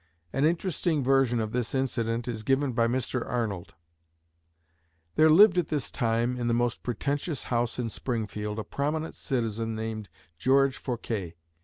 An interesting version of this incident is given by Mr. Arnold: "There lived at this time in the most pretentious house in Springfield a prominent citizen named George Forquer.